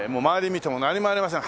見ても何もありません。